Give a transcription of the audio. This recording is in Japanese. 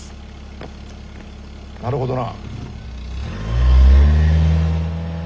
なるほどな。